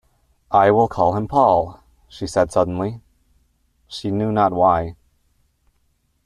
“I will call him Paul,” she said suddenly; she knew not why.